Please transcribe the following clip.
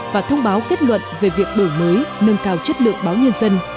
và thông báo kết luận về việc đổi mới nâng cao chất lượng báo nhân dân